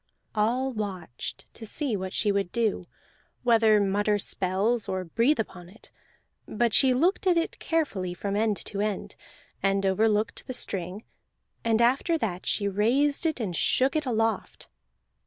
All watched to see what she would do, whether mutter spells or breathe upon it. But she looked at it carefully from end to end, and overlooked the string, and after that she raised it and shook it aloft.